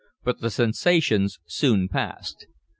But the sensations soon passed.